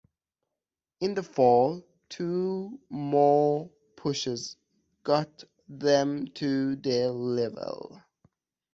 In the Fall, two more pushes got them to the level.